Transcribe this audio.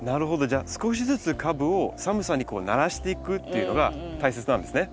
じゃあ少しずつ株を寒さに慣らしていくっていうのが大切なんですね。